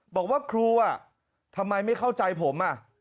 บอกว่าครูทำไมไม่เข้าใจผม